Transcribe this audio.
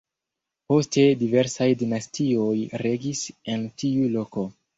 Poste diversaj dinastioj regis en tiu loko.